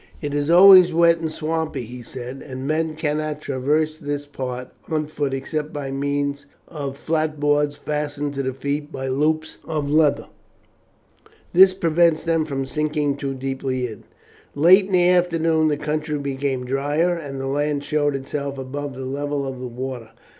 "It is always wet and swampy," he said; "and men cannot traverse this part on foot except by means of flat boards fastened to the feet by loops of leather; this prevents them from sinking deeply in." Late in the afternoon the country became drier, and the land showed itself above the level of the water.